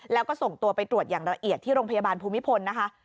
แล้วก็ส่งตัวไปตรวจอย่างละเอียดที่โรงพยาบาลภูมิพลนะคะ